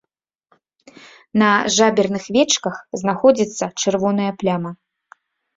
На жаберных вечках знаходзіцца чырвоная пляма.